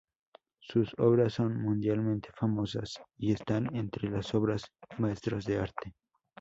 Sus obras son mundialmente famosas y están entre las obras maestras de arte.